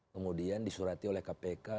kemudian disurati oleh kpk